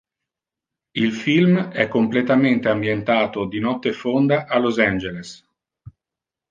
Il film è completamente ambientato di notte fonda, a Los Angeles.